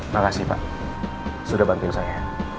makasih pak sudah bantuin saya